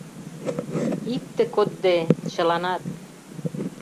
— Икте кодде, чыланат.